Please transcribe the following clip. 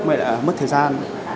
mà lại mất thời gian